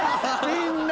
みんな。